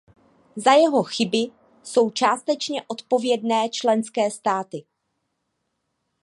Za jeho chyby jsou částečně odpovědné členské státy.